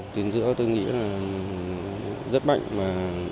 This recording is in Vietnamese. tuyến giữa tôi nghĩ là rất mạnh và